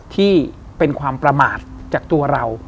ที่เป็นความประมาทจากตัวเรา